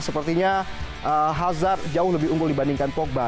sepertinya hazard jauh lebih unggul dibandingkan pogba